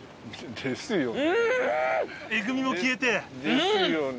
ですよね。